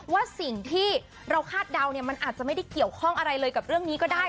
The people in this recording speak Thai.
ว่าสิ่งที่เราคาดเดาเนี่ยมันอาจจะไม่ได้เกี่ยวข้องอะไรเลยกับเรื่องนี้ก็ได้